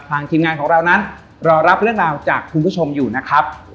ทีมงานของเรานั้นรอรับเรื่องราวจากคุณผู้ชมอยู่นะครับ